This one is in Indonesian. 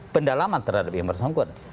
pendalaman terhadap yang bersangkutan